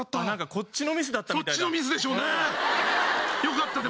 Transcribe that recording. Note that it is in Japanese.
こっちのミスだったみたいだ。